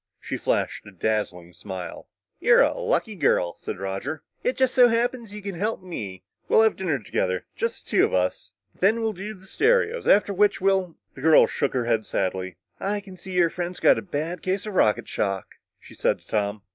She flashed a dazzling smile. "You're a lucky girl," said Roger. "It just so happens you can help me. We'll have dinner together just the two of us and then we'll go to the stereos. After which we'll " The girl shook her head sadly. "I can see your friend's got a bad case of rocket shock," she said to Tom.